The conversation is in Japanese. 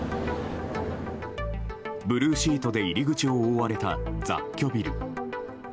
ブルーシートで入り口を覆われた雑居ビル。